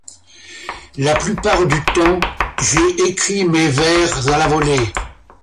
La plupart du temps, j'ai écrit mes vers à la volée.